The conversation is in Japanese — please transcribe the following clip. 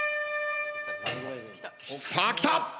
さあきた！